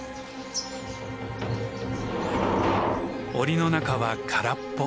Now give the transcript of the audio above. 檻の中は空っぽ。